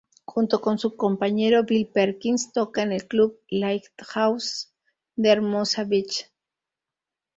Junto con su compañero Bill Perkins, toca en el club "Lighthouse", de Hermosa Beach.